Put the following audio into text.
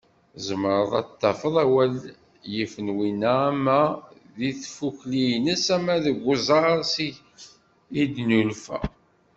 Tzemreḍ ad d-tafeḍ awal yifen winna ama deg tfukli-ines, ama deg uẓar seg i d-yennulfa.